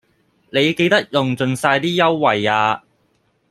你記得用盡晒啲優惠呀